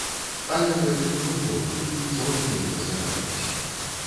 Але гэта футбол, тут нічога нельга загадваць.